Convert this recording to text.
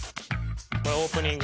これオープニング。